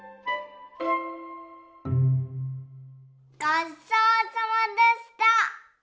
ごちそうさまでした。